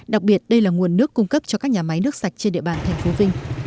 đặc biệt đây là nguồn nước cung cấp cho các nhà máy nước sạch trên địa bàn thành phố vinh